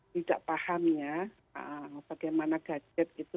tidak pahamnya bagaimana gadget itu